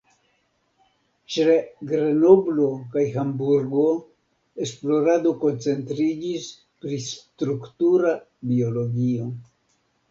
Ĉe Grenoblo kaj Hamburgo, esplorado koncentriĝis pri struktura biologio.